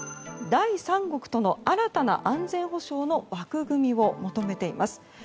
第三国との新たな安全保障の枠組みを求めています。